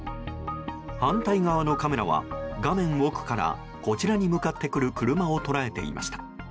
反対側のカメラは画面奥からこちらに向かってくる車を捉えていました。